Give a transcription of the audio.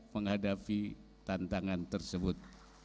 menghadapi tantangan tersebut